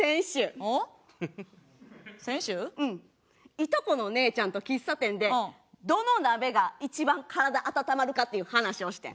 いとこの姉ちゃんと喫茶店でどの鍋が一番体温まるかっていう話をしてん。